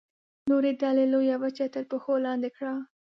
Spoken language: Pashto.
نورې ډلې لویه وچه تر پښو لاندې کړه.